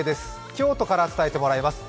京都から伝えてもらいます。